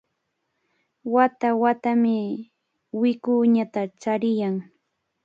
Wata-watami wikuñata chariyan.